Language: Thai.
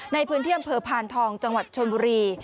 ในพื้นที่อำเภอพานทองจังหวัดชนบุรี